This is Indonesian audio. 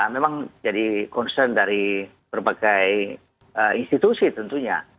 memang jadi concern dari berbagai institusi tentunya